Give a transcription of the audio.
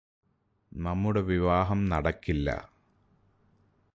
നമ്മുടെ വിവാഹം നടക്കില്ലാ